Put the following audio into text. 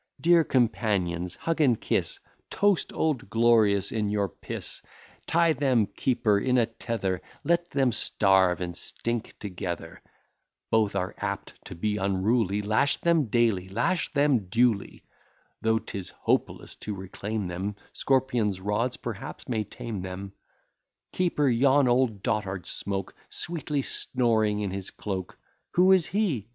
Dear companions, hug and kiss, Toast Old Glorious in your piss; Tie them, keeper, in a tether, Let them starve and stink together; Both are apt to be unruly, Lash them daily, lash them duly; Though 'tis hopeless to reclaim them, Scorpion's rods, perhaps, may tame them. Keeper, yon old dotard smoke, Sweetly snoring in his cloak: Who is he?